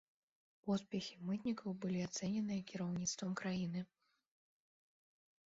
Поспехі мытнікаў былі ацэненыя кіраўніцтвам краіны.